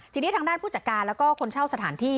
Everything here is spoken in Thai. ทีนี้ทางด้านผู้จัดการแล้วก็คนเช่าสถานที่